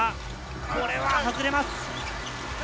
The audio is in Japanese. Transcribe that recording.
これは外れます。